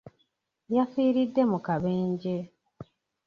Yafiiridde mu kabenje.